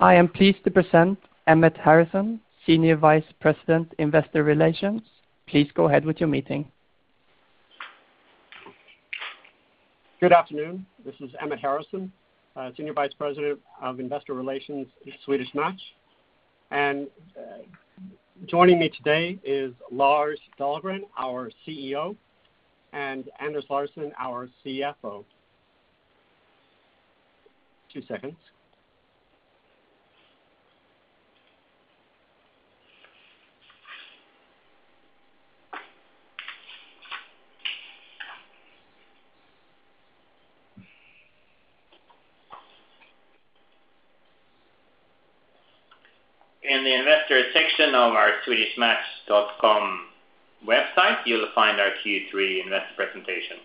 I am pleased to present Emmett Harrison, Senior Vice President, Investor Relations. Please go ahead with your meeting. Good afternoon. This is Emmett Harrison, Senior Vice President of Investor Relations, Swedish Match. Joining me today is Lars Dahlgren, our CEO, and Anders Larsson, our CFO. Two seconds. In the investor section of our swedishmatch.com website, you'll find our Q3 investor presentation.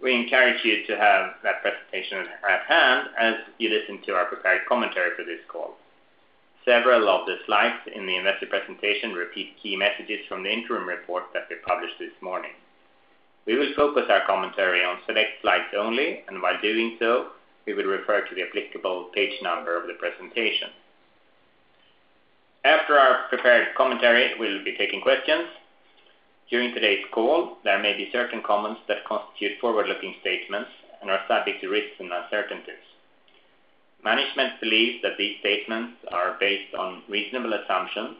We encourage you to have that presentation at hand as you listen to our prepared commentary for this call. Several of the slides in the investor presentation repeat key messages from the interim report that we published this morning. We will focus our commentary on select slides only, and while doing so, we will refer to the applicable page number of the presentation. After our prepared commentary, we'll be taking questions. During today's call, there may be certain comments that constitute forward-looking statements and are subject to risks and uncertainties. Management believes that these statements are based on reasonable assumptions,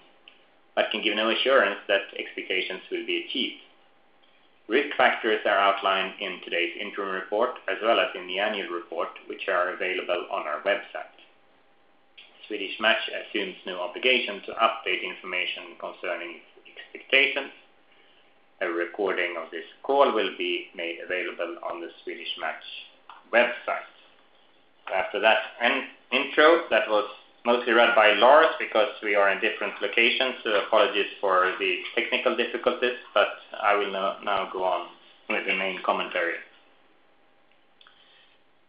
but can give no assurance that expectations will be achieved. Risk factors are outlined in today's interim report, as well as in the annual report, which are available on our website. Swedish Match assumes no obligation to update information concerning expectations. A recording of this call will be made available on the Swedish Match website. After that intro, that was mostly read by Lars because we are in different locations, so apologies for the technical difficulties, but I will now go on with the main commentary.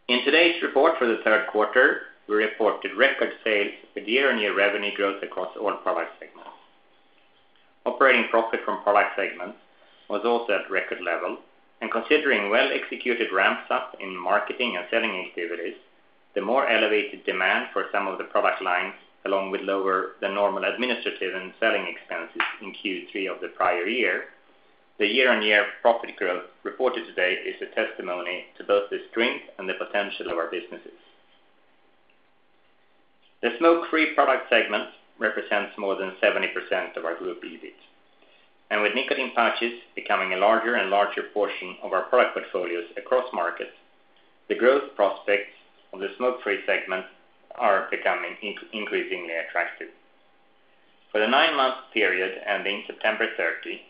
In today's report for the Q3, we reported record sales with year-on-year revenue growth across all product segments. Operating profit from product segments was also at record level, and considering well-executed ramps up in marketing and selling activities, the more elevated demand for some of the product lines, along with lower than normal administrative and selling expenses in Q3 of the prior year, the year-on-year profit growth reported today is a testimony to both the strength and the potential of our businesses. The smoke-free product segment represents more than 70% of our group EBIT. With nicotine pouches becoming a larger and larger portion of our product portfolios across markets, the growth prospects of the smoke-free segment are becoming increasingly attractive. For the nine-month period ending September 30,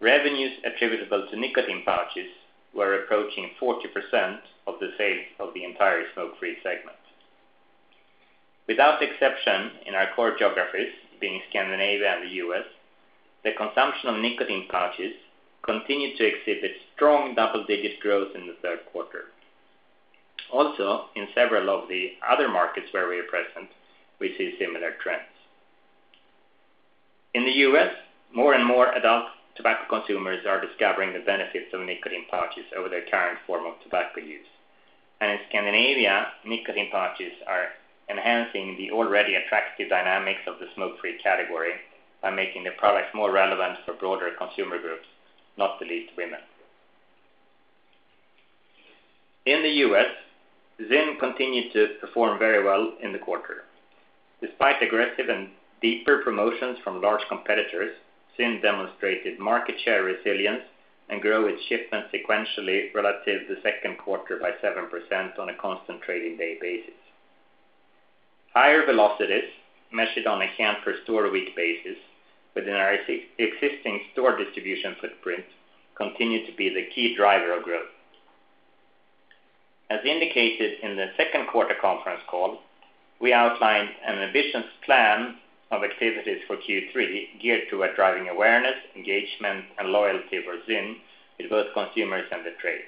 revenues attributable to nicotine pouches were approaching 40% of the sales of the entire smoke-free segment. Without exception, in our core geographies, being Scandinavia and the U.S., the consumption of nicotine pouches continued to exhibit strong double-digit growth in the Q3. Also, in several of the other markets where we are present, we see similar trends. In the U.S., more and more adult tobacco consumers are discovering the benefits of nicotine pouches over their current form of tobacco use. In Scandinavia, nicotine pouches are enhancing the already attractive dynamics of the smoke-free category by making the products more relevant for broader consumer groups, not the least women. In the U.S., ZYN continued to perform very well in the quarter. Despite aggressive and deeper promotions from large competitors, ZYN demonstrated market share resilience and grew its shipments sequentially relative to the Q2 by 7% on a constant trading day basis. Higher velocities, measured on a can per store per week basis within our existing store distribution footprint, continued to be the key driver of growth. As indicated in the Q2 conference call, we outlined an ambitious plan of activities for Q3 geared toward driving awareness, engagement, and loyalty for ZYN with both consumers and the trade.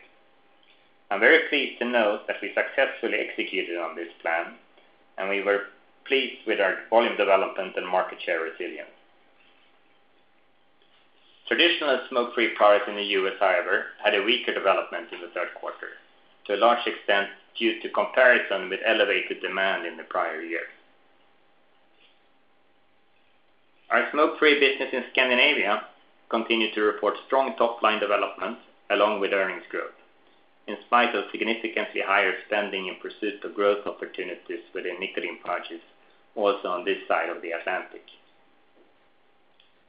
I'm very pleased to note that we successfully executed on this plan, and we were pleased with our volume development and market share resilience. Traditional smoke-free products in the U.S., however, had a weaker development in the Q3, to a large extent due to comparison with elevated demand in the prior years. Our smoke-free business in Scandinavia continued to report strong top-line developments along with earnings growth, in spite of significantly higher spending in pursuit of growth opportunities within nicotine pouches also on this side of the Atlantic.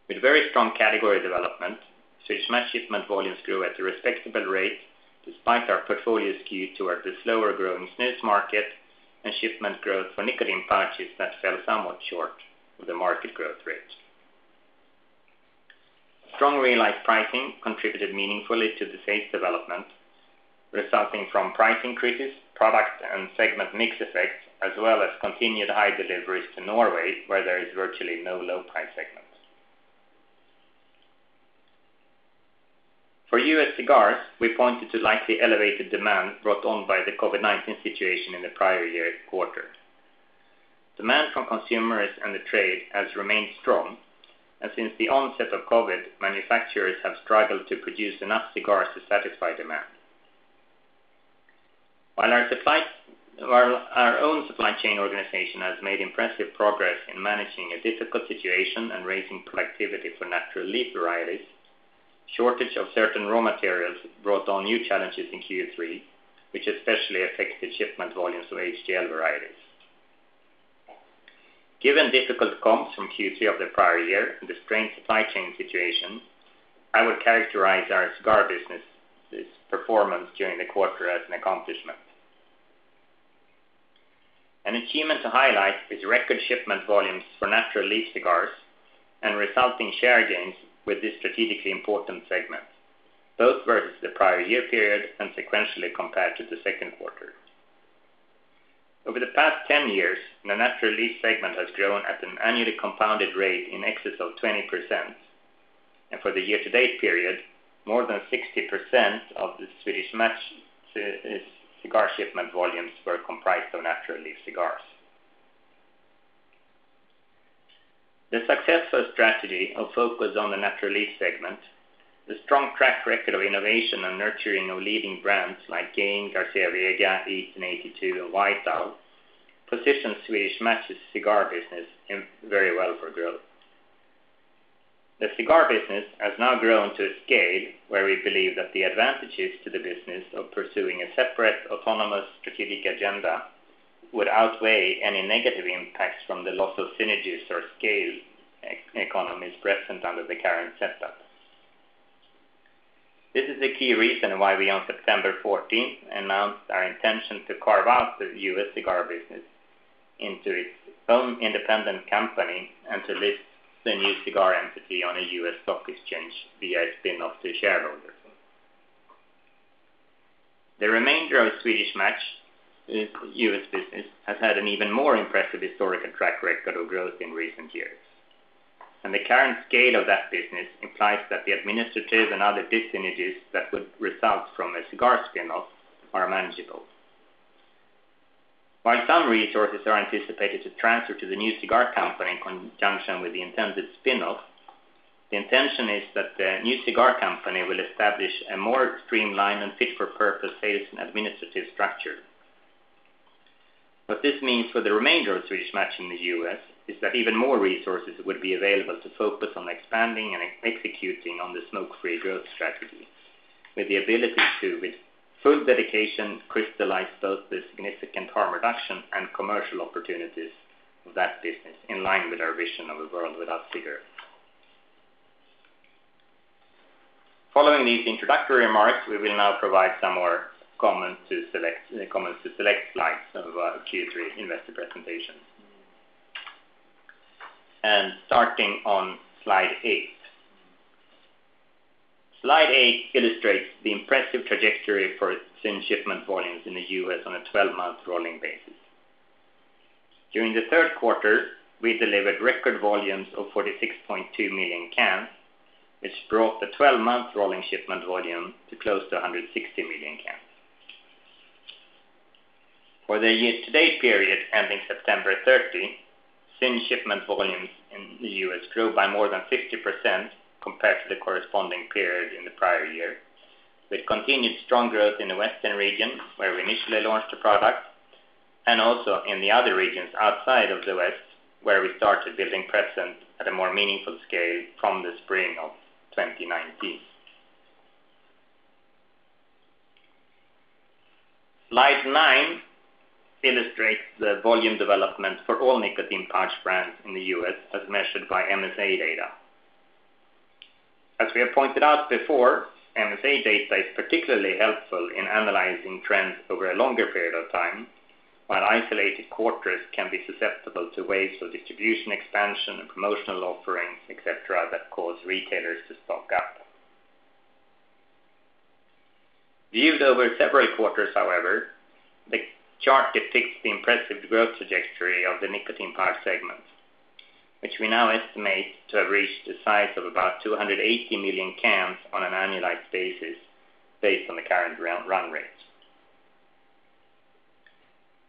With very strong category development, Swedish Match shipment volumes grew at a respectable rate despite our portfolio skewed toward the slower-growing snus market and shipment growth for nicotine pouches that fell somewhat short of the market growth rate. Strong realized pricing contributed meaningfully to the sales development, resulting from price increases, product and segment mix effects, as well as continued high deliveries to Norway, where there is virtually no low price segment. For U.S. cigars, we pointed to likely elevated demand brought on by the COVID-19 situation in the prior year quarter. Demand from consumers and the trade has remained strong, and since the onset of COVID, manufacturers have struggled to produce enough cigars to satisfy demand. While our own supply chain organization has made impressive progress in managing a difficult situation and raising productivity for natural leaf varieties, shortage of certain raw materials brought on new challenges in Q3, which especially affects the shipment volumes of HTL varieties. Given difficult comps from Q3 of the prior year and the strained supply chain situation, I would characterize our cigar business's performance during the quarter as an accomplishment. An achievement to highlight is record shipment volumes for natural leaf cigars and resulting share gains with this strategically important segment, both versus the prior year period and sequentially compared to the Q2. Over the past 10 years, the natural leaf segment has grown at an annually compounded rate in excess of 20%. For the year-to-date period, more than 60% of the Swedish Match's cigar shipment volumes were comprised of natural leaf cigars. The successful strategy of focus on the natural leaf segment, the strong track record of innovation and nurturing of leading brands like Game, Garcia y Vega, 1882, and White Owl, position Swedish Match's cigar business in very well for growth. The cigar business has now grown to a scale where we believe that the advantages to the business of pursuing a separate, autonomous strategic agenda would outweigh any negative impacts from the loss of synergies or scale economies present under the current setup. This is the key reason why we, on September 14, announced our intention to carve out the U.S. cigar business into its own independent company and to list the new cigar entity on a U.S. stock exchange via a spin-off to shareholders. The remainder of Swedish Match U.S. business has had an even more impressive historical track record of growth in recent years. The current scale of that business implies that the administrative and other dyssynergies that would result from a cigar spin-off are manageable. While some resources are anticipated to transfer to the new cigar company in conjunction with the intended spin-off, the intention is that the new cigar company will establish a more streamlined and fit-for-purpose sales and administrative structure. What this means for the remainder of Swedish Match in the U.S. is that even more resources would be available to focus on expanding and executing on the smoke-free growth strategy, with the ability to, with full dedication, crystallize both the significant harm reduction and commercial opportunities of that business in line with our vision of a world without cigarettes. Following these introductory remarks, we will now provide some more comments to select slides of our Q3 investor presentation. Starting on slide 8. Slide 8 illustrates the impressive trajectory for ZYN shipment volumes in the U.S. on a 12-month rolling basis. During the Q3, we delivered record volumes of 46.2 million cans, which brought the 12-month rolling shipment volume to close to 160 million cans. For the year-to-date period ending September 30, ZYN shipment volumes in the U.S. grew by more than 50% compared to the corresponding period in the prior year, with continued strong growth in the Western region where we initially launched the product, and also in the other regions outside of the West, where we started building presence at a more meaningful scale from the spring of 2019. Slide 9 illustrates the volume development for all nicotine pouch brands in the U.S. as measured by MSA data. As we have pointed out before, MSA data is particularly helpful in analyzing trends over a longer period of time, while isolated quarters can be susceptible to waves of distribution expansion, promotional offerings, et cetera, that cause retailers to stock up. Viewed over several quarters, however, the chart depicts the impressive growth trajectory of the nicotine pouch segment, which we now estimate to have reached the size of about 280 million cans on an annualized basis based on the current run rates.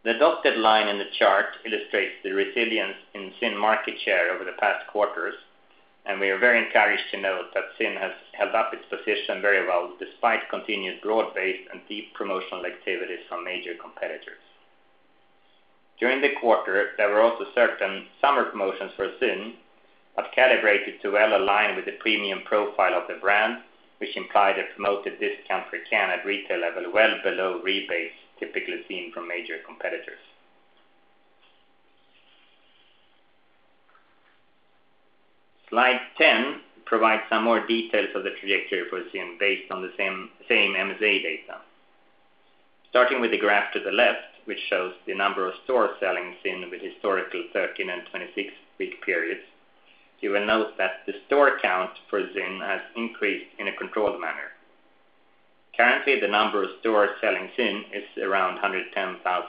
The dotted line in the chart illustrates the resilience in ZYN market share over the past quarters, and we are very encouraged to note that ZYN has held up its position very well, despite continued broad-based and deep promotional activities from major competitors. During the quarter, there were also certain summer promotions for ZYN that were calibrated to well align with the premium profile of the brand, which implied a promoted discount per can at retail level well below rebates typically seen from major competitors. Slide 10 provides some more details of the trajectory for ZYN based on the same MSA data. Starting with the graph to the left, which shows the number of stores selling ZYN with historical 13- and 26-week periods, you will note that the store count for ZYN has increased in a controlled manner. Currently, the number of stores selling ZYN is around 110,000.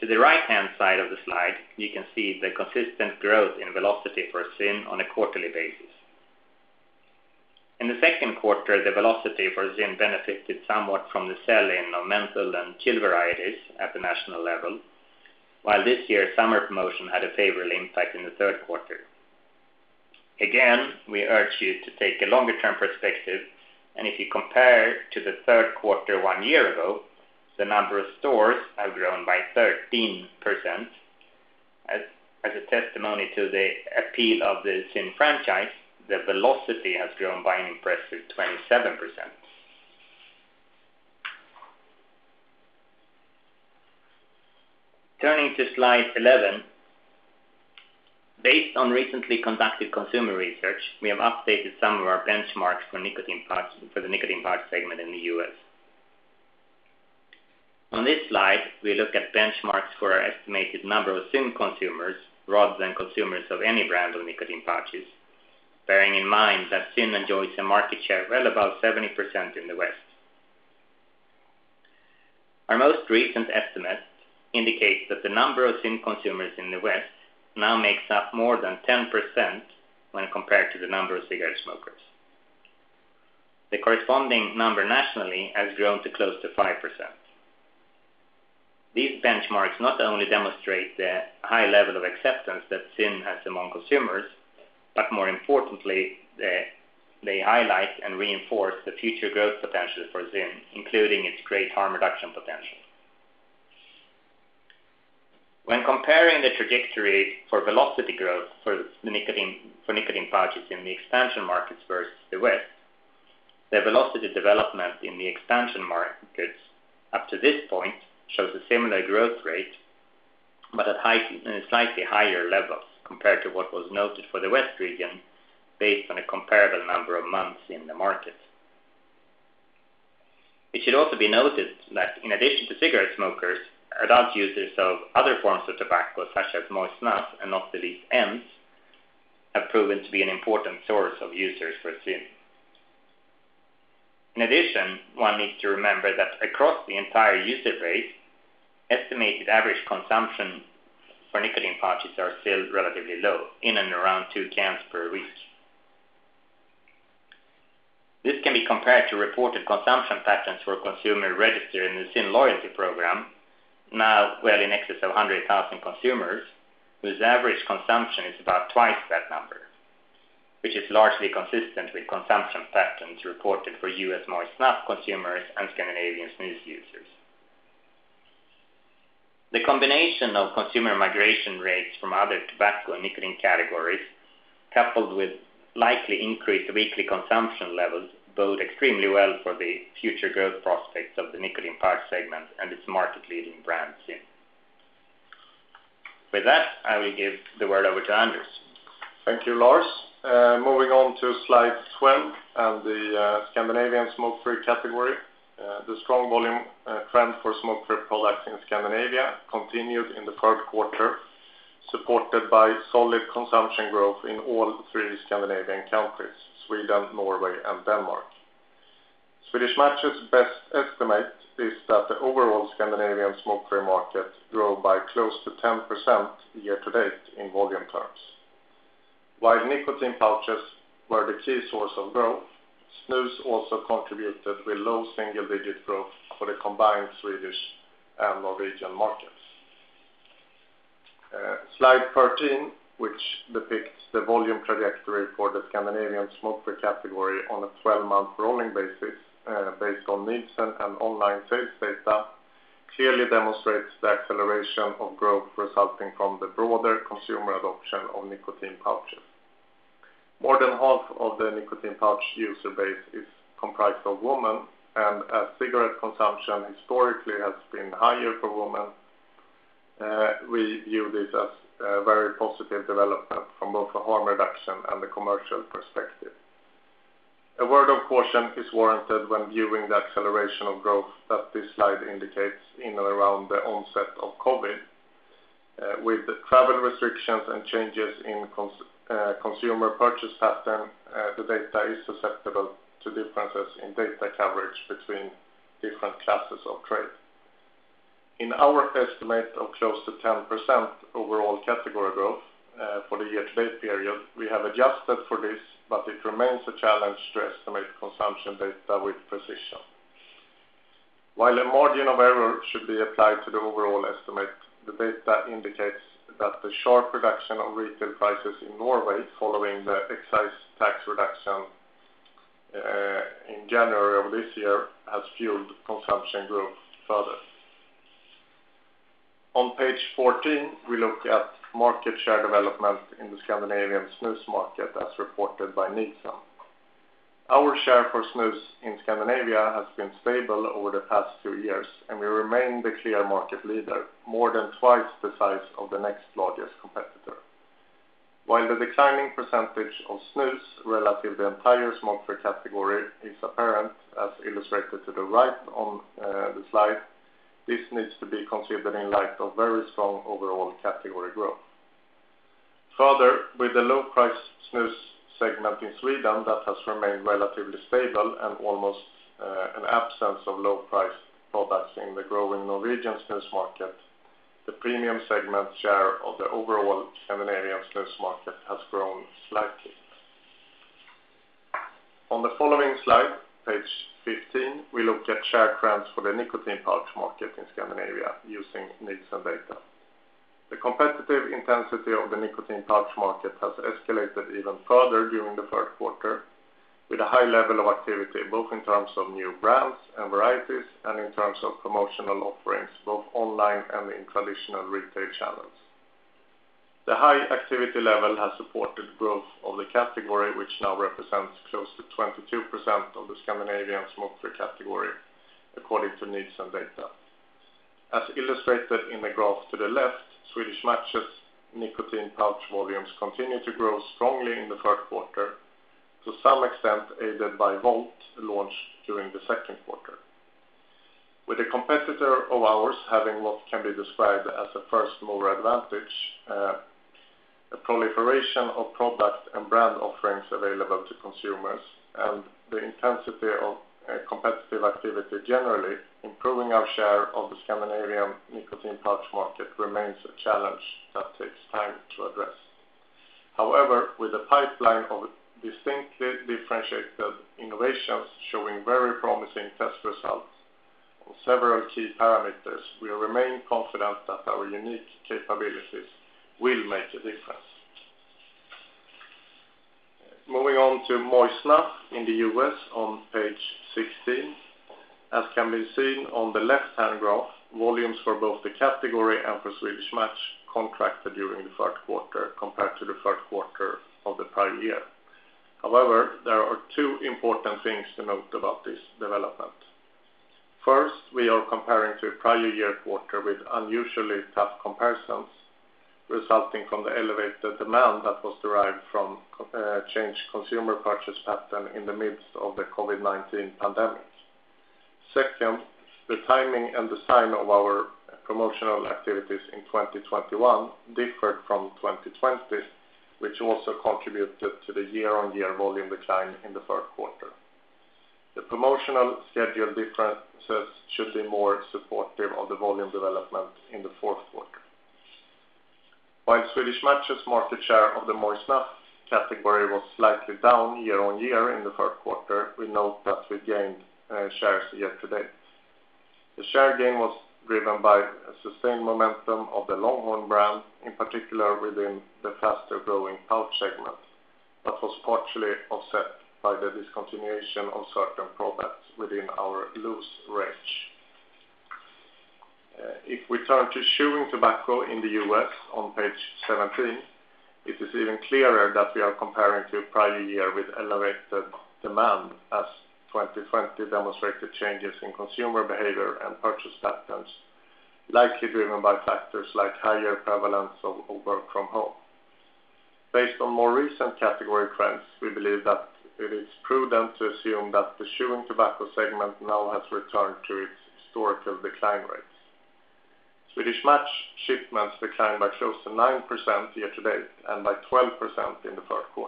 To the right-hand side of the slide, you can see the consistent growth in velocity for ZYN on a quarterly basis. In the Q2, the velocity for ZYN benefited somewhat from the sell-in of Menthol and Chill varieties at the national level, while this year's summer promotion had a favorable impact in the Q3. We urge you to take a longer term perspective, and if you compare to the Q3 one year ago, the number of stores have grown by 13%. As a testimony to the appeal of the ZYN franchise, the velocity has grown by an impressive 27%. Turning to slide 11. Based on recently conducted consumer research, we have updated some of our benchmarks for the nicotine pouches segment in the U.S. On this slide, we look at benchmarks for our estimated number of ZYN consumers, users, and consumers of any brand of nicotine pouches, bearing in mind that ZYN enjoys a market share well above 70% in the West. Our most recent estimate indicates that the number of ZYN consumers in the West now makes up more than 10% when compared to the number of cigarette smokers. The corresponding number nationally has grown to close to 5%. These benchmarks not only demonstrate the high level of acceptance that ZYN has among consumers, but more importantly, they highlight and reinforce the future growth potential for ZYN, including its great harm reduction potential. When comparing the trajectory for velocity growth for the nicotine, for nicotine pouches in the expansion markets versus the West, the velocity development in the expansion markets up to this point shows a similar growth rate, but in slightly higher levels compared to what was noted for the West region based on a comparable number of months in the market. It should also be noted that in addition to cigarette smokers, adult users of other forms of tobacco, such as moist snuff and not the least ENDS, have proven to be an important source of users for ZYN. In addition, one needs to remember that across the entire user base, estimated average consumption for nicotine pouches are still relatively low, in and around two cans per week. This can be compared to reported consumption patterns for a consumer registered in the ZYN loyalty program, now well in excess of 100,000 consumers, whose average consumption is about twice that number, which is largely consistent with consumption patterns reported for U.S. moist snuff consumers and Scandinavian snus users. The combination of consumer migration rates from other tobacco and nicotine categories, coupled with likely increased weekly consumption levels bode extremely well for the future growth prospects of the nicotine pouch segment and its market-leading brand ZYN. With that, I will give the word over to Anders. Thank you, Lars. Moving on to slide 12 and the Scandinavian smoke-free category. The strong volume trend for smoke-free products in Scandinavia continued in the Q3, supported by solid consumption growth in all three Scandinavian countries, Sweden, Norway, and Denmark. Swedish Match's best estimate is that the overall Scandinavian smoke-free market grew by close to 10% year to date in volume terms. While nicotine pouches were the key source of growth, snus also contributed with low single-digit growth for the combined Swedish and Norwegian markets. Slide 13, which depicts the volume trajectory for the Scandinavian smoke-free category on a 12-month rolling basis, based on Nielsen and online sales data, clearly demonstrates the acceleration of growth resulting from the broader consumer adoption of nicotine pouches. More than half of the nicotine pouch user base is comprised of women and as cigarette consumption historically has been higher for women, we view this as a very positive development from both a harm reduction and a commercial perspective. A word of caution is warranted when viewing the acceleration of growth that this slide indicates in or around the onset of COVID. With the travel restrictions and changes in consumer purchase pattern, the data is susceptible to differences in data coverage between different classes of trade. In our estimate of close to 10% overall category growth, for the year-to-date period, we have adjusted for this, but it remains a challenge to estimate consumption data with precision. While a margin of error should be applied to the overall estimate, the data indicates that the sharp reduction of retail prices in Norway following the excise tax reduction in January of this year has fueled consumption growth further. On page 14, we look at market share development in the Scandinavian snus market as reported by Nielsen. Our share for snus in Scandinavia has been stable over the past two years, and we remain the clear market leader, more than twice the size of the next largest competitor. While the declining percentage of snus relative to the entire smokefree category is apparent, as illustrated to the right on the slide, this needs to be considered in light of very strong overall category growth. Further, with the low price snus segment in Sweden that has remained relatively stable and almost an absence of low price products in the growing Norwegian snus market, the premium segment share of the overall Scandinavian snus market has grown slightly. On the following slide, page 15, we look at share trends for the nicotine pouch market in Scandinavia using Nielsen data. The competitive intensity of the nicotine pouch market has escalated even further during the Q3, with a high level of activity, both in terms of new brands and varieties, and in terms of promotional offerings, both online and in traditional retail channels. The high activity level has supported growth of the category, which now represents close to 22% of the Scandinavian smoke-free category, according to Nielsen data. As illustrated in the graph to the left, Swedish Match's nicotine pouch volumes continue to grow strongly in the Q3, to some extent aided by Volt launched during the Q2. With a competitor of ours having what can be described as a first mover advantage, a proliferation of product and brand offerings available to consumers, and the intensity of competitive activity generally. Improving our share of the Scandinavian nicotine pouch market remains a challenge that takes time to address. However, with a pipeline of distinctly differentiated innovations showing very promising test results on several key parameters, we remain confident that our unique capabilities will make a difference. Moving on to moist snuff in the U.S. on page 16. As can be seen on the left-hand graph, volumes for both the category and for Swedish Match contracted during the Q3 compared to the Q3 of the prior year. However, there are two important things to note about this development. First, we are comparing to a prior year quarter with unusually tough comparisons resulting from the elevated demand that was derived from changed consumer purchase pattern in the midst of the COVID-19 pandemic. Second, the timing and design of our promotional activities in 2021 differed from 2020, which also contributed to the year-on-year volume decline in the Q3. The promotional schedule differences should be more supportive of the volume development in the Q4. While Swedish Match's market share of the moist snuff category was slightly down year-on-year in the Q3, we note that we gained shares year to date. The share gain was driven by a sustained momentum of the Longhorn brand, in particular within the faster-growing pouch segment, but was partially offset by the discontinuation of certain products within our loose range. If we turn to chewing tobacco in the U.S. on page 17, it is even clearer that we are comparing to prior year with elevated demand as 2020 demonstrated changes in consumer behavior and purchase patterns, likely driven by factors like higher prevalence of work from home. Based on more recent category trends, we believe that it is prudent to assume that the chewing tobacco segment now has returned to its historical decline rates. Swedish Match shipments declined by close to 9% year to date and by 12% in the Q3.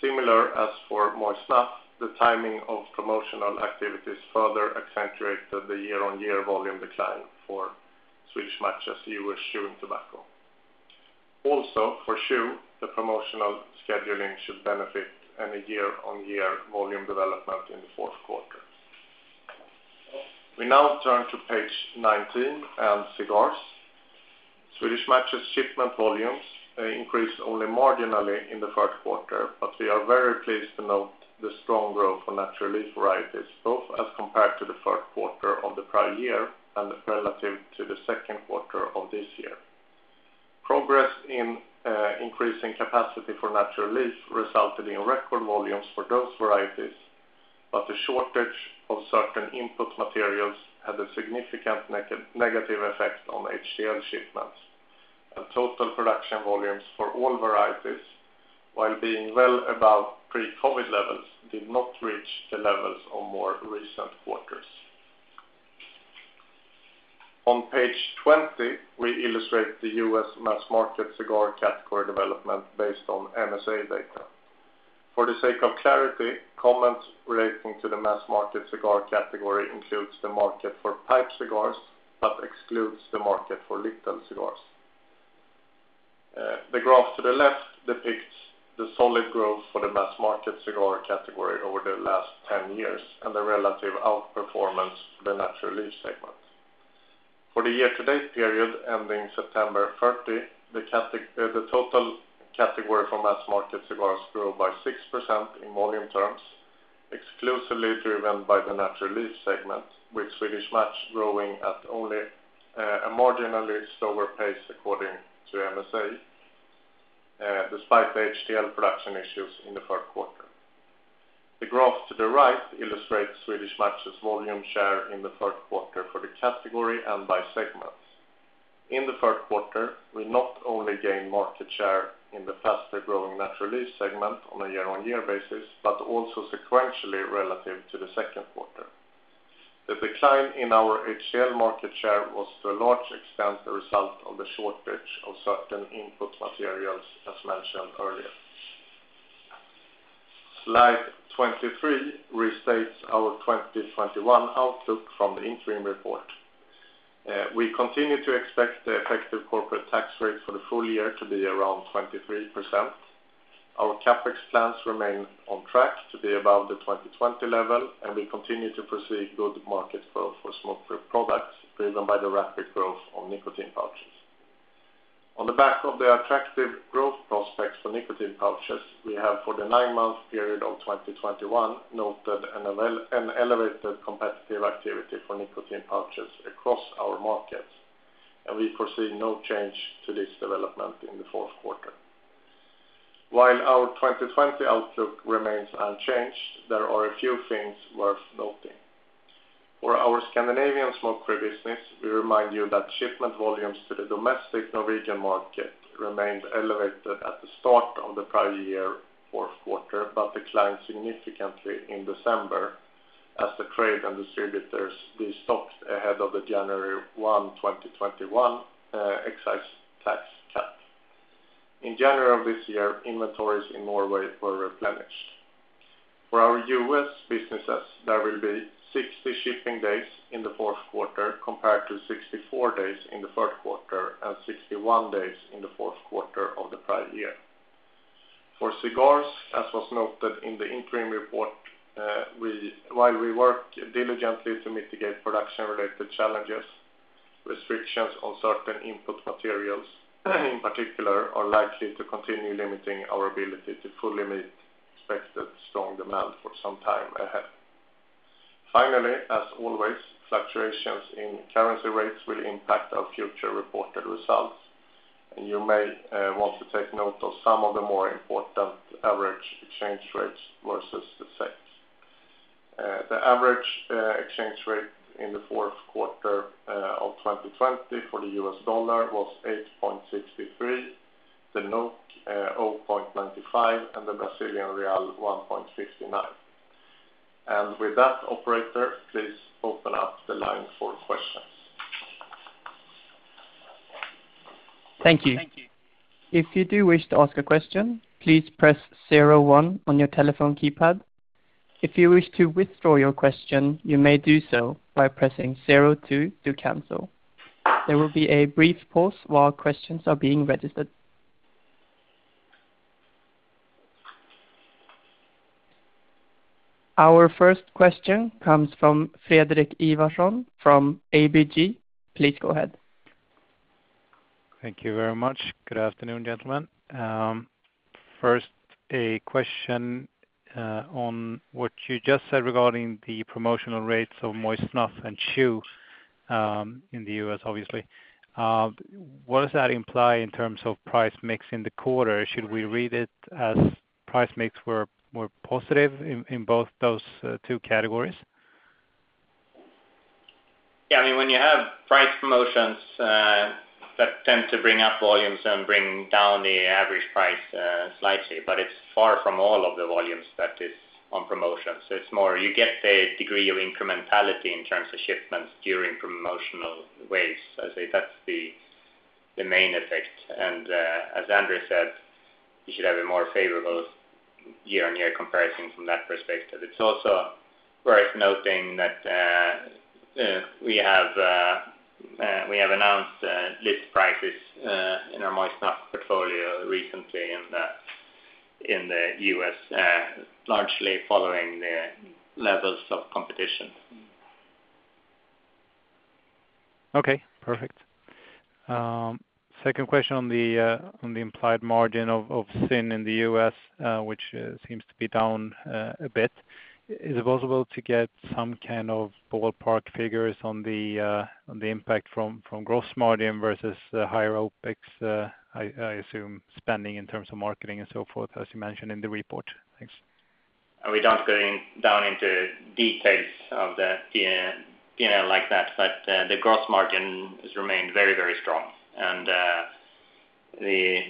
Similar as for moist snuff, the timing of promotional activities further accentuated the year-on-year volume decline for Swedish Match's U.S. chewing tobacco. Also, for chew, the promotional scheduling should benefit any year-on-year volume development in the Q4. We now turn to page 19 and cigars. Swedish Match's shipment volumes increased only marginally in the Q3, but we are very pleased to note the strong growth for natural leaf varieties, both as compared to the Q3 of the prior year and relative to the Q2 of this year. Progress in increasing capacity for natural leaf resulted in record volumes for those varieties, but the shortage of certain input materials had a significant negative effect on HTL shipments. Total production volumes for all varieties, while being well above pre-COVID levels, did not reach the levels of more recent quarters. On page 20, we illustrate the U.S. mass market cigar category development based on MSA data. For the sake of clarity, comments relating to the mass market cigar category includes the market for pipe cigars, but excludes the market for little cigars. The graph to the left depicts the solid growth for the mass market cigar category over the last 10 years and the relative outperformance for the natural leaf segment. For the year-to-date period ending September 30, the total category for mass market cigars grew by 6% in volume terms, exclusively driven by the natural leaf segment, with Swedish Match growing at only a marginally slower pace according to MSA, despite the HTL production issues in the Q3. The graph to the right illustrates Swedish Match's volume share in the Q3 for the category and by segments. In the Q3, we not only gained market share in the faster-growing natural leaf segment on a year-on-year basis, but also sequentially relative to the Q2. The decline in our HTL market share was to a large extent the result of the shortage of certain input materials, as mentioned earlier. Slide 23 restates our 2021 outlook from the interim report. We continue to expect the effective corporate tax rate for the full year to be around 23%. Our CapEx plans remain on track to be above the 2020 level, and we continue to project good market growth for smoke-free products, driven by the rapid growth of nicotine pouches. On the back of the attractive growth prospects for nicotine pouches, we have for the nine-month period of 2021 noted an elevated competitive activity for nicotine pouches across our markets, and we foresee no change to this development in the Q4. While our 2020 outlook remains unchanged, there are a few things worth noting. For our Scandinavian smoke-free business, we remind you that shipment volumes to the domestic Norwegian market remained elevated at the start of the prior year Q4, but declined significantly in December as the trade and distributors restocked ahead of the January 1, 2021, excise tax cut. In January of this year, inventories in Norway were replenished. For our U.S. businesses, there will be 60 shipping days in the Q4 compared to 64 days in the Q3 and 61 days in the Q4 of the prior year. For cigars, as was noted in the interim report, while we work diligently to mitigate production-related challenges, restrictions on certain input materials, in particular, are likely to continue limiting our ability to fully meet expected strong demand for some time ahead. Finally, as always, fluctuations in currency rates will impact our future reported results, and you may want to take note of some of the more important average exchange rates versus the SEK. The average exchange rate in the Q4 of 2020 for the U.S. dollar was 8.63, the 0.95, and the Brazilian real 1.59. With that, operator, please open up the line for questions. Thank you. If you do wish to ask a question, please press zero one on your telephone keypad. If you wish to withdraw your question, you may do so by pressing zero two to cancel. There will be a brief pause while questions are being registered. Our first question comes from Fredrik Ivarsson from ABG Sundal Collier. Please go ahead. Thank you very much. Good afternoon, gentlemen. First, a question, on what you just said regarding the promotional rates of moist snuff and chew, in the U.S., obviously. What does that imply in terms of price mix in the quarter? Should we read it as price mix were positive in both those two categories? Yeah. I mean, when you have price promotions that tend to bring up volumes and bring down the average price slightly, but it's far from all of the volumes that is on promotion. It's more you get a degree of incrementality in terms of shipments during promotional waves. I'd say that's the main effect. As Anders said, you should have a more favorable year-on-year comparison from that perspective. It's also worth noting that we have announced list prices in our moist snuff portfolio recently in the U.S., largely following the levels of competition. Okay, perfect. Second question on the implied margin of ZYN in the U.S., which seems to be down a bit. Is it possible to get some kind of ballpark figures on the impact from gross margin versus higher OpEx, I assume spending in terms of marketing and so forth, as you mentioned in the report? Thanks. We don't go down into details of the P&L like that, but the gross margin has remained very strong. The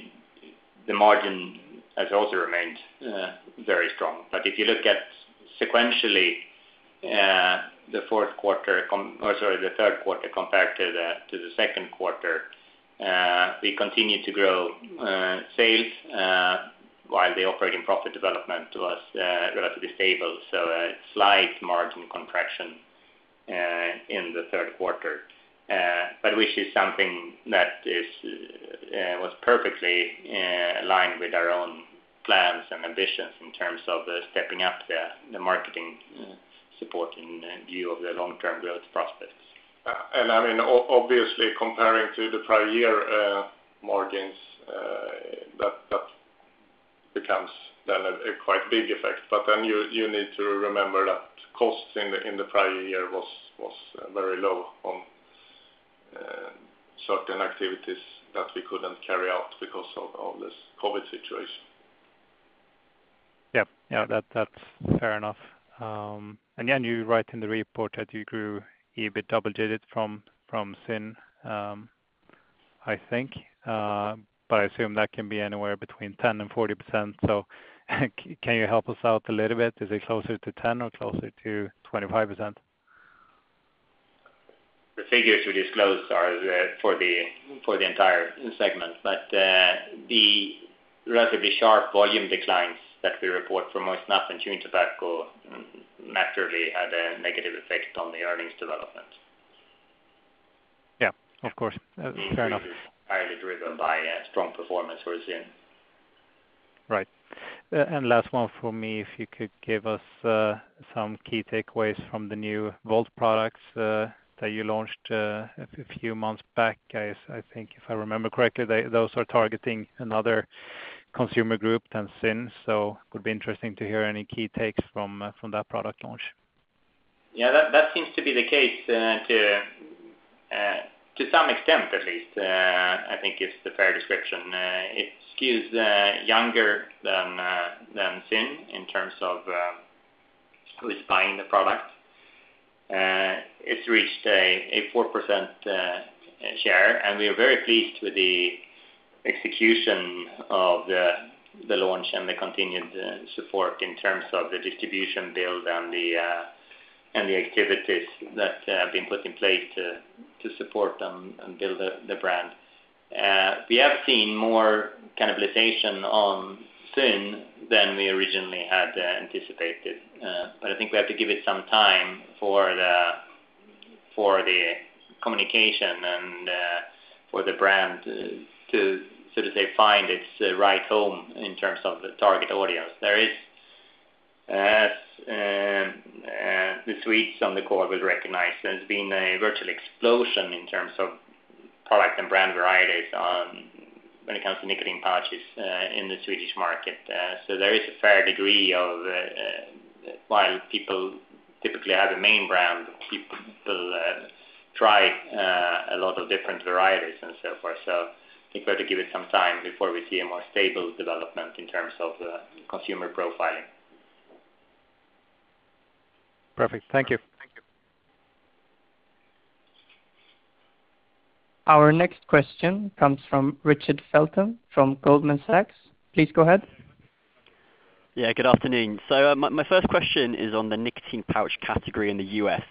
margin has also remained very strong. If you look at sequentially, the Q3 compared to the Q2, we continue to grow sales while the operating profit development was relatively stable, so a slight margin contraction in the Q3. Which is something that was perfectly aligned with our own plans and ambitions in terms of stepping up the marketing support in view of the long-term growth prospects. I mean, obviously, comparing to the prior year, margins, that becomes then a quite big effect. You need to remember that costs in the prior year was very low on certain activities that we couldn't carry out because of this COVID situation. Yeah, that's fair enough. And again, you write in the report that you grew EBIT double digits from SIN, I think. But I assume that can be anywhere between 10 and 40%. Can you help us out a little bit? Is it closer to 10 or closer to 25%? The figures we disclosed are for the entire segment. The relatively sharp volume declines that we report for moist snuff and chewing tobacco naturally had a negative effect on the earnings development. Yeah, of course. Fair enough. Highly driven by a strong performance for ZYN. Right. Last one for me. If you could give us some key takeaways from the new Volt products that you launched a few months back. I think if I remember correctly, those are targeting another consumer group than ZYN. It would be interesting to hear any key takes from that product launch. Yeah. That seems to be the case, to some extent, at least. I think it's the fair description. It skews younger than ZYN in terms of who is buying the product. It's reached a 4% share, and we are very pleased with the execution of the launch and the continued support in terms of the distribution build and the activities that have been put in place to support them and build the brand. We have seen more cannibalization on ZYN than we originally had anticipated. I think we have to give it some time for the communication and for the brand to sort of say find its right home in terms of the target audience. The Swedes on the call will recognize there's been a virtual explosion in terms of product and brand varieties when it comes to nicotine pouches in the Swedish market. There is a fair degree of trial while people typically have a main brand, try a lot of different varieties and so forth. I think we have to give it some time before we see a more stable development in terms of consumer profiling. Perfect. Thank you. Our next question comes from Richard Felton from Goldman Sachs. Please go ahead. Yeah, good afternoon. My first question is on the nicotine pouch category in the U.S.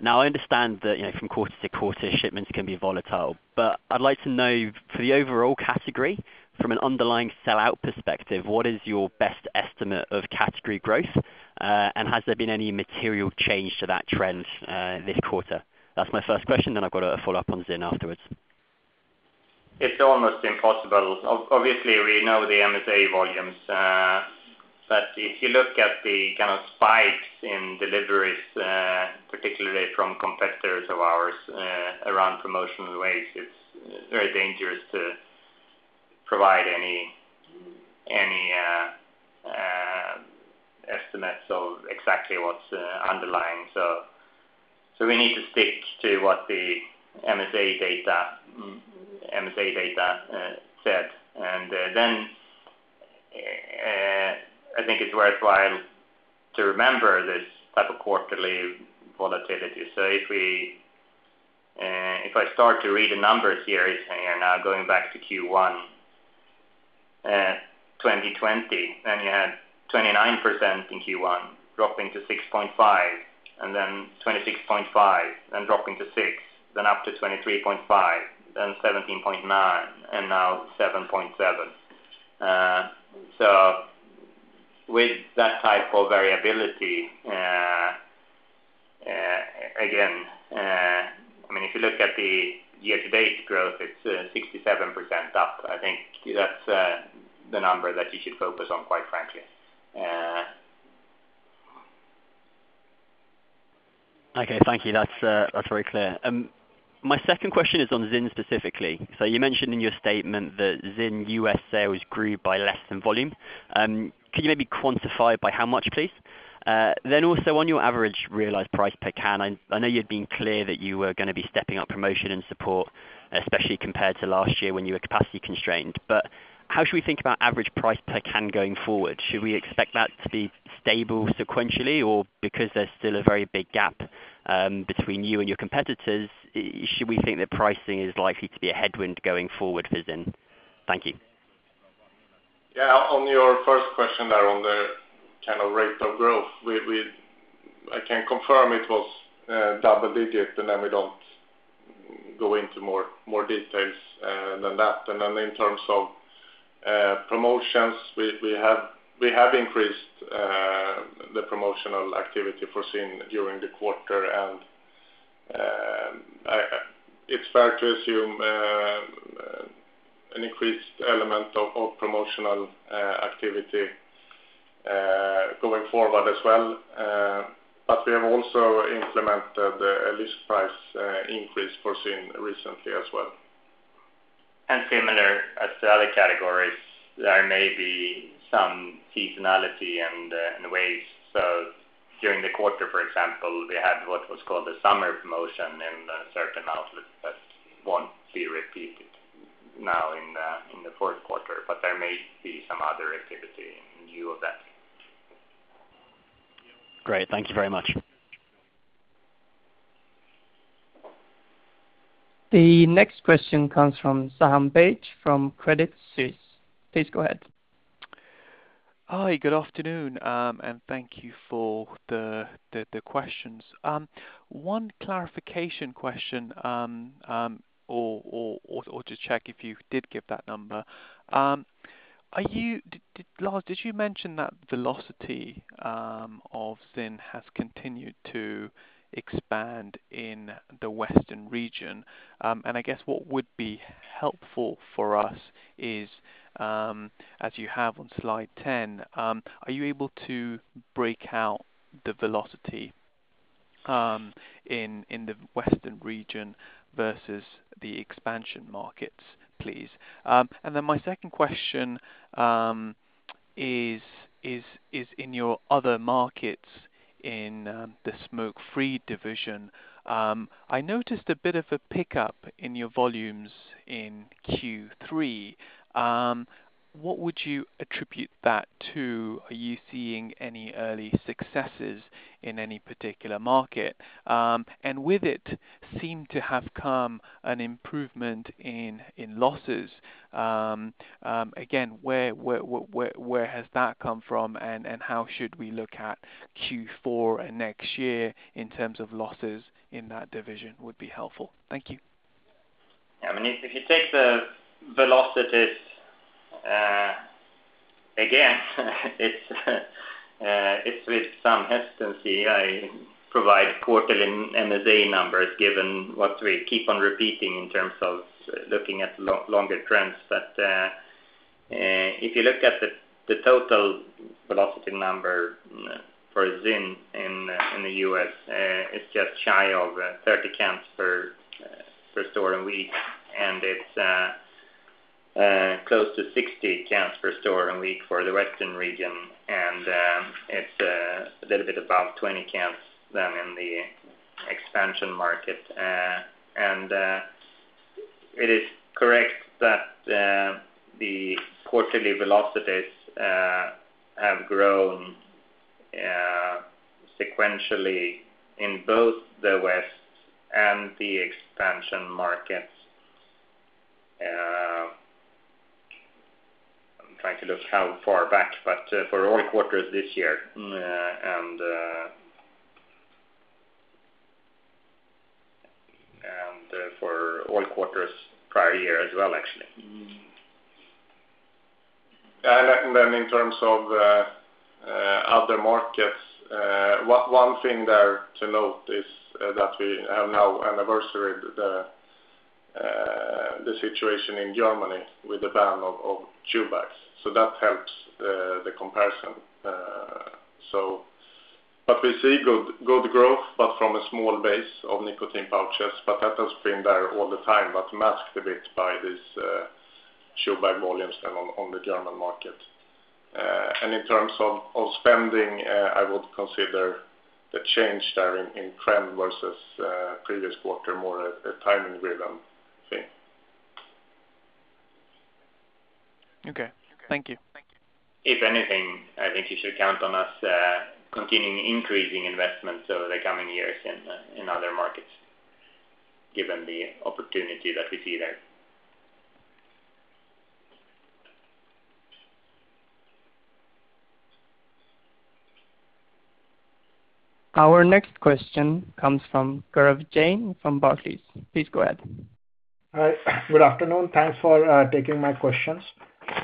Now, I understand that from quarter to quarter, shipments can be volatile, but I'd like to know for the overall category from an underlying sellout perspective, what is your best estimate of category growth? And has there been any material change to that trend this quarter? That's my first question, then I've got a follow-up on ZYN afterwards. It's almost impossible. Obviously, we know the MSA volumes, but if you look at the kind of spikes in deliveries, particularly from competitors of ours, around promotional waves, it's very dangerous to provide any estimates of exactly what's underlying. We need to stick to what the MSA data said. Then, I think it's worthwhile to remember this type of quarterly volatility. If I start to read the numbers here, if you're now going back to Q1 2020, and you had 29% in Q1 dropping to 6.5% and then 26.5% and dropping to 6%, then up to 23.5%, then 17.9%, and now 7.7%. With that type of variability, again, I mean, if you look at the year to date growth, it's 67% up. I think that's the number that you should focus on, quite frankly. Okay, thank you. That's very clear. My second question is on ZYN specifically. So you mentioned in your statement that ZYN U.S. sales grew by less than volume. Can you maybe quantify by how much, please? Then also on your average realized price per can, I know you'd been clear that you were gonna be stepping up promotion and support, especially compared to last year when you were capacity constrained. How should we think about average price per can going forward? Should we expect that to be stable sequentially, or because there's still a very big gap between you and your competitors, should we think that pricing is likely to be a headwind going forward for ZYN? Thank you. Yeah, on your first question there on the kind of rate of growth, we I can confirm it was double digits, and then we don't go into more details than that. In terms of promotions, we have increased the promotional activity for ZYN during the quarter. It's fair to assume an increased element of promotional activity going forward as well. But we have also implemented a list price increase for ZYN recently as well. Similar as the other categories, there may be some seasonality and in ways. During the quarter, for example, they had what was called the summer promotion in the certain outlets that won't be repeated now in the Q4, but there may be some other activity in lieu of that. Great. Thank you very much. The next question comes from Faham Baig from Credit Suisse. Please go ahead. Hi, good afternoon, and thank you for the questions. One clarification question or to check if you did give that number. Lars, did you mention that velocity of ZYN has continued to expand in the Western region? I guess what would be helpful for us is, as you have on slide 10, are you able to break out the velocity in the Western region versus the expansion markets, please? My second question is, in your other markets in the smoke-free division, I noticed a bit of a pickup in your volumes in Q3. What would you attribute that to? Are you seeing any early successes in any particular market? with it seemed to have come an improvement in losses. Again, where has that come from, and how should we look at Q4 and next year in terms of losses in that division would be helpful. Thank you. I mean, if you take the velocities again, it's with some hesitancy I provide quarterly MSA numbers given what we keep on repeating in terms of looking at longer trends. If you look at the total velocity number for ZYN in the U.S., it's just shy of 30 counts per store a week, and it's close to 60 counts per store a week for the western region. It's a little bit above 20 counts in the expansion market. It is correct that the quarterly velocities have grown sequentially in both the West and the expansion markets. I'm trying to look how far back, but for all quarters this year and for all quarters prior year as well, actually. Mm-hmm. In terms of other markets, one thing there to note is that we have now anniversaried the situation in Germany with the ban of chew bags. That helps the comparison. We see good growth, but from a small base of nicotine pouches. That has been there all the time, but masked a bit by this chew bag volumes then on the German market. In terms of spending, I would consider the change there in trend versus previous quarter more a timing rhythm thing. Okay. Thank you. If anything, I think you should count on us continuing increasing investments over the coming years in other markets, given the opportunity that we see there. Our next question comes from Gaurav Jain from Barclays. Please go ahead. Hi. Good afternoon. Thanks for taking my questions.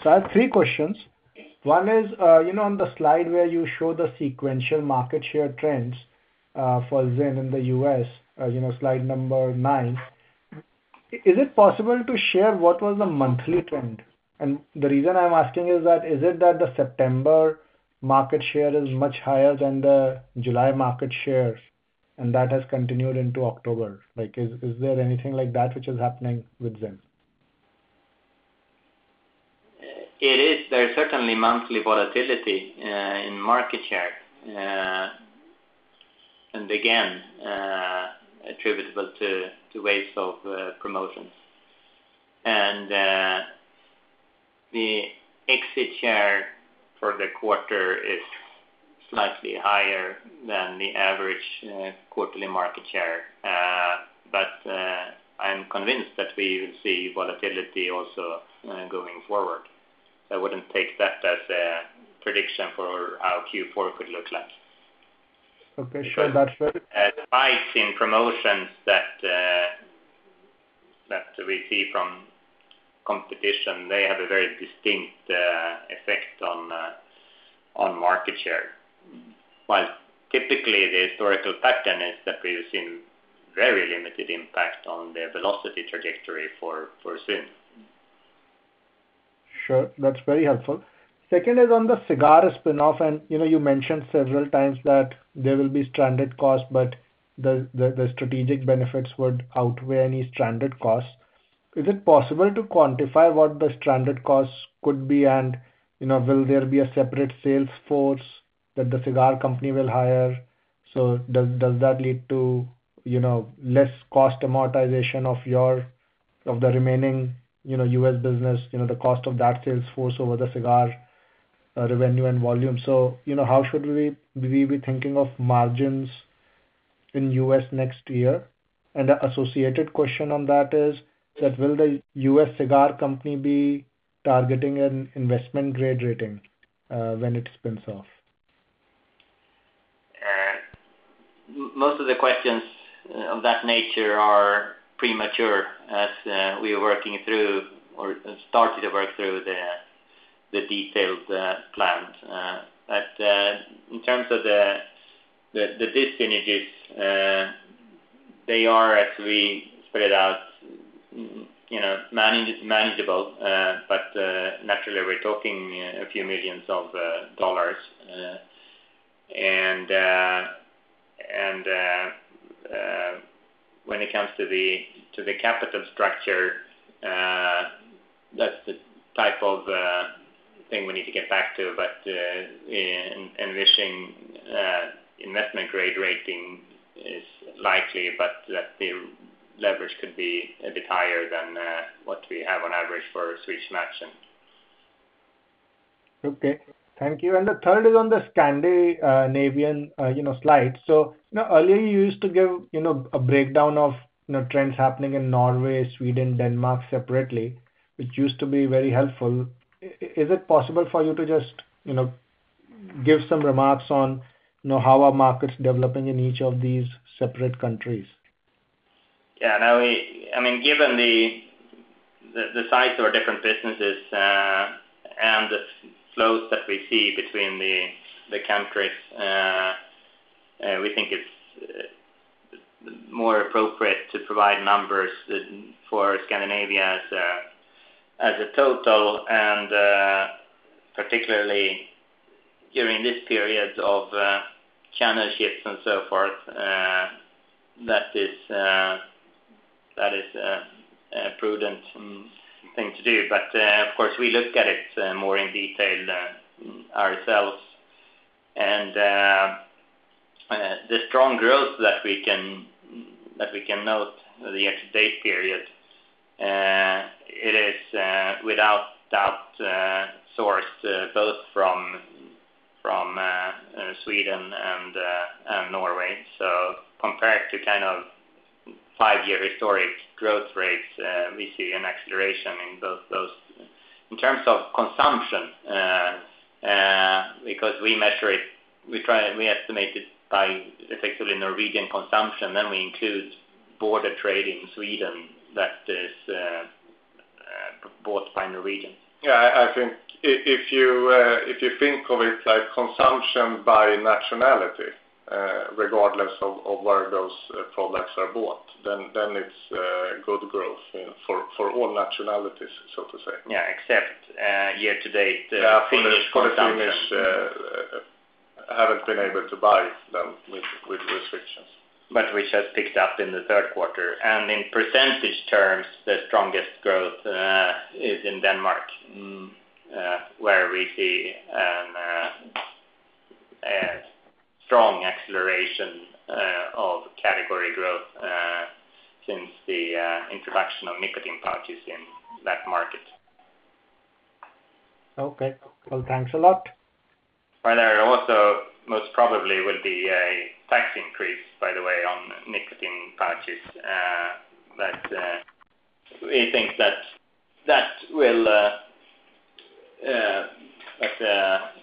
I have three questions. One is on the slide where you show the sequential market share trends for ZYN in the u.s. slide number nine, is it possible to share what was the monthly trend? And the reason I'm asking is that, is it that the September market share is much higher than the July market share, and that has continued into October? Like, is there anything like that which is happening with ZYN? It is. There's certainly monthly volatility in market share, and again, attributable to waves of promotions. The exit share for the quarter is slightly higher than the average quarterly market share. I'm convinced that we will see volatility also going forward. I wouldn't take that as a prediction for how Q4 could look like. Okay. Sure. That's very. As spikes in promotions that we see from competition, they have a very distinct effect on market share. While typically the historical pattern is that we've seen very limited impact on the velocity trajectory for ZYN. Sure. That's very helpful. Second is on the cigar spinoff. You know, you mentioned several times that there will be stranded costs, but the strategic benefits would outweigh any stranded costs. Is it possible to quantify what the stranded costs could be? You know, will there be a separate sales force that the cigar company will hire? Does that lead to less cost amortization of your—of the remaining U.S. business the cost of that sales force over the cigar revenue and volume? You know, how should we be thinking of margins in U.S. next year? The associated question on that is that, will the U.S. cigar company be targeting an investment grade rating when it spins off? Most of the questions of that nature are premature as we are working through or started to work through the detailed plans. In terms of the disadvantages, they are actually spread out manageable. Naturally we're talking a few million dollars. When it comes to the capital structure, that's the type of thing we need to get back to. In obtaining an investment-grade rating is likely, but that the leverage could be a bit higher than what we have on average for Swedish Match. Okay, thank you. The third is on the scandinavian slide. You know, earlier you used to give a breakdown of trends happening in Norway, Sweden, Denmark separately, which used to be very helpful. Is it possible for you to just give some remarks on how are markets developing in each of these separate countries? Yeah. No, I mean, given the size of our different businesses and the flows that we see between the countries, we think it's more appropriate to provide numbers for Scandinavia as a total. Particularly during this period of channel shifts and so forth, that is a prudent thing to do. Of course, we look at it more in detail ourselves. The strong growth that we can note in the year-to-date period, it is without doubt sourced both from Sweden and Norway. Compared to kind of five-year historic growth rates, we see an acceleration in both those. In terms of consumption, because we measure it, we estimate it by effectively Norwegian consumption, then we include border trade in Sweden that is bought by Norwegian. Yeah. I think if you think of it like consumption by nationality, regardless of where those products are bought, then it's good growth for all nationalities, so to say. Yeah. Except, year to date, the Finnish consumption. Yeah. For the Finnish, haven't been able to buy them with restrictions. Which has picked up in the Q3. In percentage terms, the strongest growth is in Denmark, where we see a strong acceleration of category growth since the introduction of nicotine pouches in that market. Okay. Well, thanks a lot. Well, there also most probably will be a tax increase, by the way, on nicotine pouches. We think that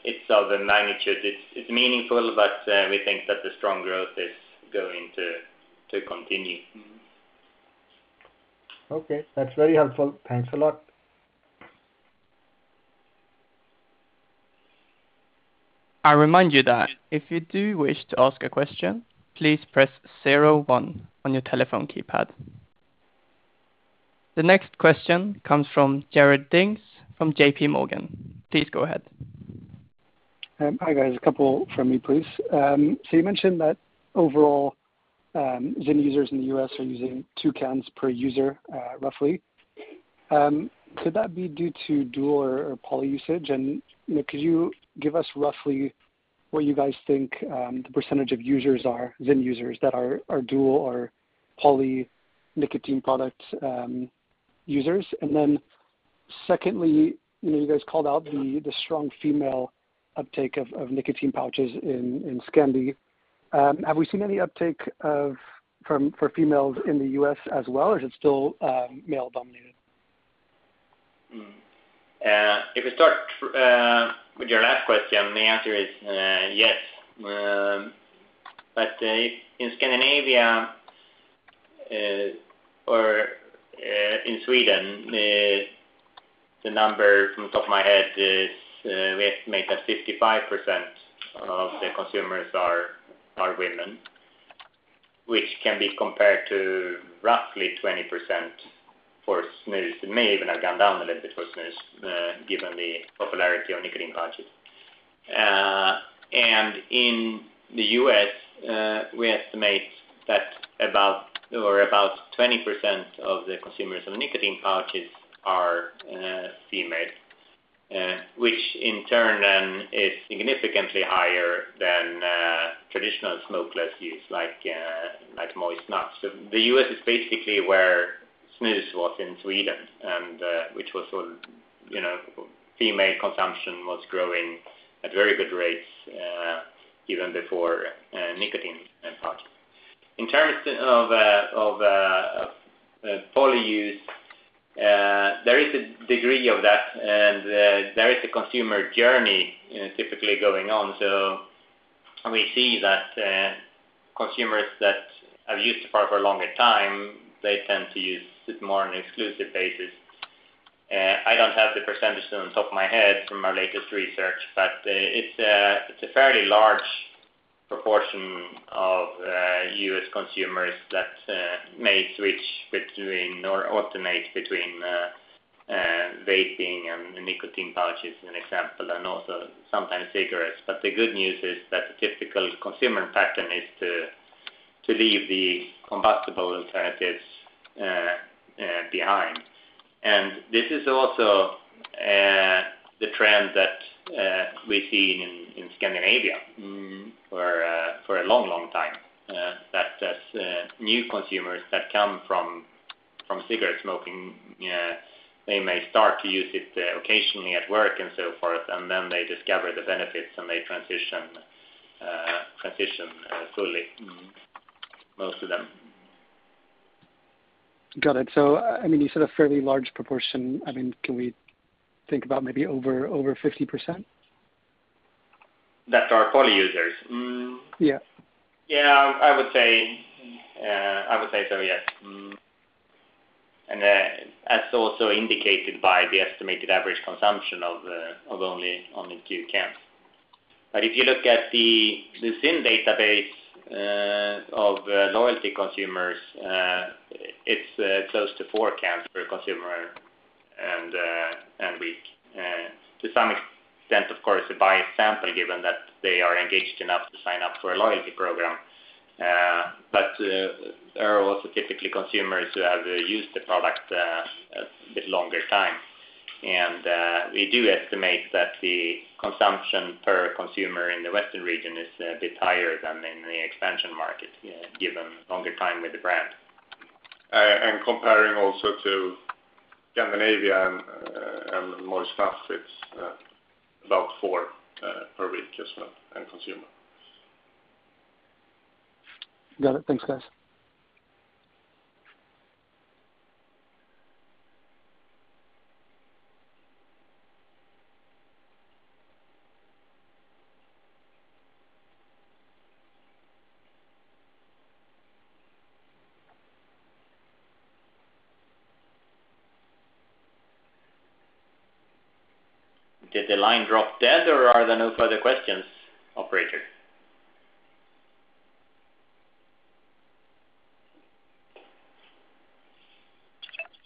it's of a magnitude. It's meaningful, but we think that the strong growth is going to continue. Okay. That's very helpful. Thanks a lot. I remind you that if you do wish to ask a question, please press zero one on your telephone keypad. The next question comes from Rashad Kawan from J.P. Morgan. Please go ahead. Hi, guys. A couple from me, please. You mentioned that overall, ZYN users in the U.S. are using two cans per user, roughly. Could that be due to dual or poly usage? You know, could you give us roughly what you guys think the percentage of users are ZYN users that are dual or poly nicotine product users? Then secondly you guys called out the strong female uptake of nicotine pouches in Scandi. Have we seen any uptake from females in the U.S. as well, or is it still male dominated? If we start with your last question, the answer is yes. In Scandinavia or in Sweden, the number from the top of my head is we estimate that 55% of the consumers are women, which can be compared to roughly 20% for snus. It may even have gone down a little bit for snus given the popularity of nicotine pouches. In the U.S., we estimate that about 20% of the consumers of nicotine pouches are female, which in turn then is significantly higher than traditional smokeless use, like moist snus. The U.S. is basically where snus was in Sweden and which was sort of female consumption was growing at very good rates even before nicotine pouches. In terms of poly use, there's a degree of that and there is a consumer journey typically going on. We see that consumers that have used the product for a longer time, they tend to use it more on an exclusive basis. I don't have the percentage on the top of my head from our latest research, but it's a fairly large proportion of U.S. consumers that may switch between or alternate between vaping and nicotine pouches, as an example, and also sometimes cigarettes. The good news is that the typical consumer pattern is to leave the combustible alternatives behind. This is also the trend that we see in Scandinavia. Mm-hmm... for a long time. That's new consumers that come from cigarette smoking. They may start to use it occasionally at work and so forth, and then they discover the benefits and they transition fully. Mm-hmm. Most of them. Got it. I mean, you said a fairly large proportion. I mean, can we think about maybe over 50%? That are poly users? Yeah. I would say so, yes. As also indicated by the estimated average consumption of only two cans. If you look at the same database of loyalty consumers, it's close to four cans per consumer and week. To some extent, of course, a biased sample, given that they are engaged enough to sign up for a loyalty program. But there are also typically consumers who have used the product a bit longer time. We do estimate that the consumption per consumer in the Western region is a bit higher than in the expansion market, given longer time with the brand. Comparing also to Scandinavia and moist snuff, it's about four per week as well, and consumer. Got it. Thanks, guys. Did the line drop dead or are there no further questions, operator?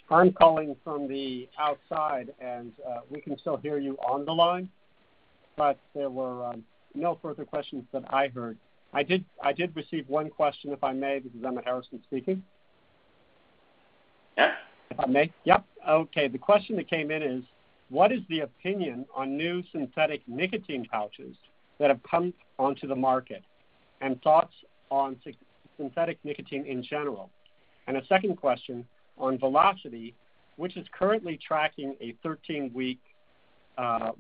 I'm calling from the outside and we can still hear you on the line, but there were no further questions that I heard. I did receive one question, if I may. This is Emmett Harrison speaking. Yeah. If I may? Yep. Okay. The question that came in is, what is the opinion on new synthetic nicotine pouches that have come onto the market, and thoughts on synthetic nicotine in general? A second question on velocity, which is currently tracking a 13-week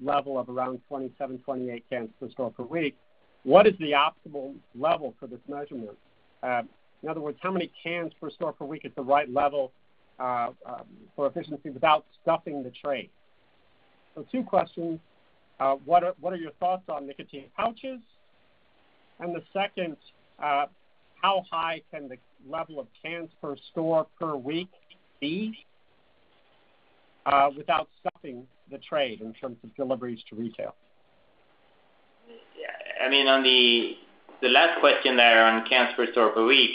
level of around 27-28 cans per store per week. What is the optimal level for this measurement? In other words, how many cans per store per week at the right level for efficiency without stuffing the trade? So two questions. What are your thoughts on nicotine pouches? The second, how high can the level of cans per store per week be without stuffing the trade in terms of deliveries to retail? Yeah. I mean, on the last question there on cans per store per week,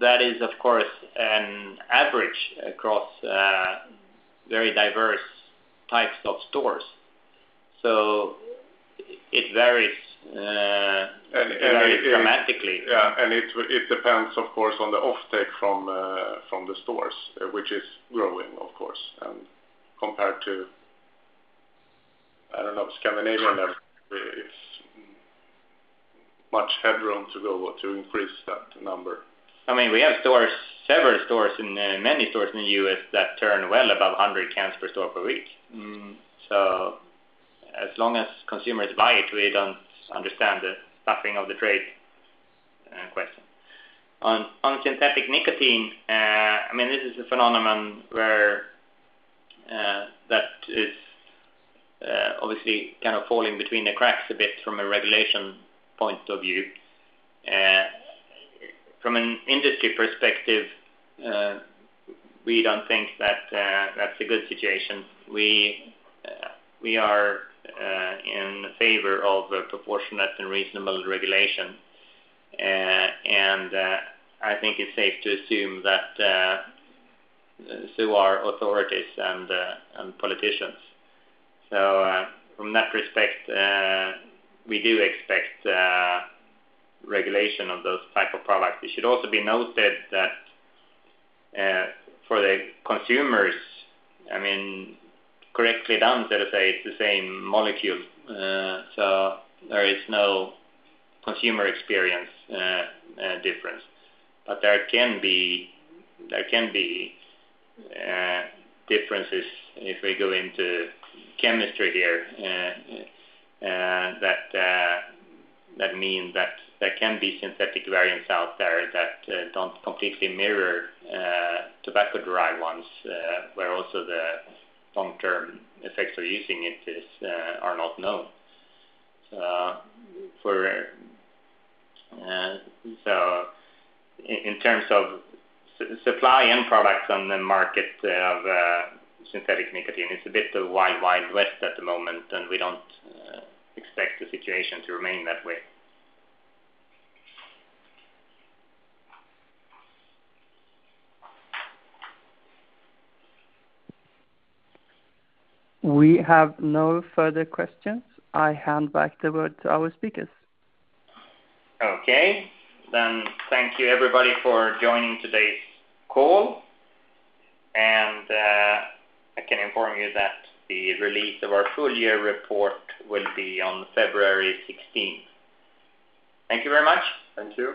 that is, of course, an average across, very diverse types of stores. It varies. And, and it- Very dramatically. Yeah. It depends, of course, on the offtake from the stores, which is growing, of course. Compared to, I don't know, Scandinavia, there is much headroom to go to increase that number. I mean, we have several stores and many stores in the U.S. that turn well above 100 cans per store per week. Mm-hmm. As long as consumers buy it, we don't understand the channel stuffing question. On synthetic nicotine, I mean, this is a phenomenon where that is obviously kind of falling between the cracks a bit from a regulation point of view. From an industry perspective, we don't think that that's a good situation. We are in favor of a proportionate and reasonable regulation. I think it's safe to assume that so are authorities and politicians. In that respect, we do expect regulation of those type of products. It should also be noted that for the consumers, I mean, correctly done, let us say, it's the same molecule. There is no consumer experience difference. There can be differences if we go into chemistry here. That means that there can be synthetic variants out there that don't completely mirror tobacco-derived ones, where also the long-term effects of using it are not known. In terms of supply and products on the market for synthetic nicotine, it's a bit of a wild west at the moment, and we don't expect the situation to remain that way. We have no further questions. I hand back the word to our speakers. Okay. Thank you everybody for joining today's call. I can inform you that the release of our full year report will be on February sixteenth. Thank you very much. Thank you.